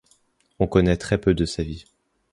On connaît très peu de sa vie.